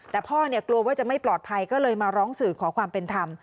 แต่พ่อกลัวว่าจะไม่ปลอดภัยก็เลยมาร้องสื่อขอความเป็นธรรม